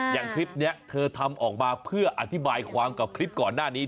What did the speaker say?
อย่างคลิปนี้เธอทำออกมาเพื่ออธิบายความกับคลิปก่อนหน้านี้